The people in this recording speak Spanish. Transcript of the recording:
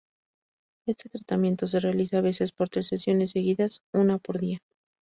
Este tratamiento se realiza a veces por tres sesiones seguidas, una por día.